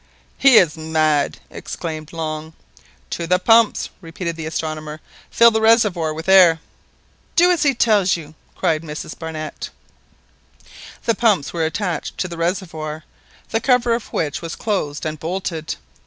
"He is mad!" exclaimed Long. "To the pumps!" repeated the astronomer; "fill the reservoir with air!" "Do as he tells you!" cried Mrs Barnett. The pumps were attached to the reservoir, the cover of which was closed and bolted.